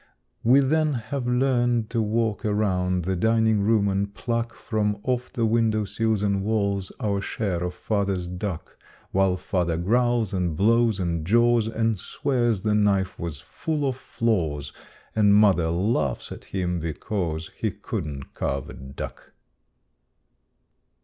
We then have learned to walk around the dining room and pluck From off the windowsills and walls Our share of Father's duck While Father growls and blows and jaws And swears the knife was full of flaws And Mother laughs at him because He couldn't carve a duck.